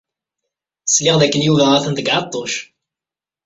Sliɣ dakken Yuba atan deg Ɛeṭṭuc.